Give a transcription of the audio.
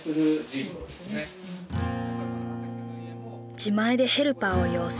自前でヘルパーを養成。